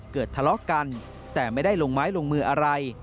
ทะเลาะกันแต่ไม่ได้ลงไม้ลงมืออะไร